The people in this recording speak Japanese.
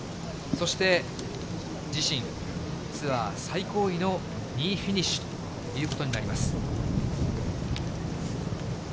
そして、自身ツアー最高位の２位フィニッシュということになります。